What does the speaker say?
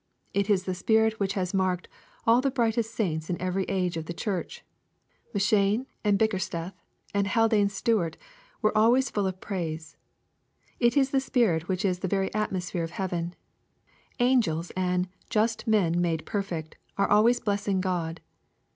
— It is the spirit which has marked all the brightest saints in every age of the church. M'Cheyne, and Bickersteth, and Haldane Stewart, were always full of praise. — It is the spirit which is the very atmosphere of heaven. Angels and "just men made perfect" are always blessing God.